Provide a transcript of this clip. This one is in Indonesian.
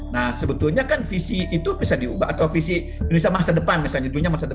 nah sebetulnya kan visi itu bisa diubah atau visi indonesia masa depan misalnya masa depan